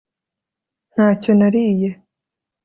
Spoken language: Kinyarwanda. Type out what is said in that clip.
ntacyo nariye